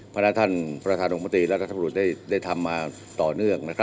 พระนักฐานพระนักฐานองค์มตรีและพระนักฐานปรุษได้ทำมาต่อเนื่อง